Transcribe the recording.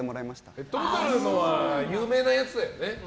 ペットボトルのは有名なやつだよね。